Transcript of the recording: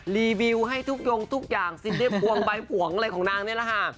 รีวิวให้ทุกยงทุกอย่างซิเรียบพวงใบผวงอะไรของนางนี่แหละค่ะ